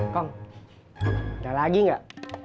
kong ada lagi gak